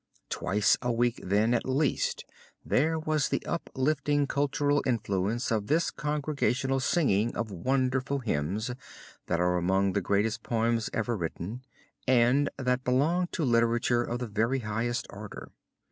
Twice a week then, at least, there was the uplifting cultural influence of this congregational singing of wonderful hymns that are among the greatest poems ever written and that belong to literature of the very highest order.